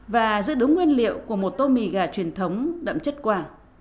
và giữ đúng nguyên liệu của một tô mì gà truyền thống đậm chất quả